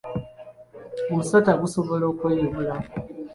Omusota gusobola okweyubula.